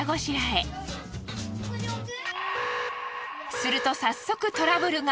すると早速トラブルが。